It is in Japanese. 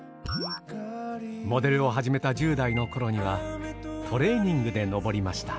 モデルを始めた１０代のころにはトレーニングで登りました。